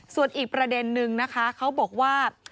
ส่วนอีกประเด็นนึงนะคะเขาบอกว่า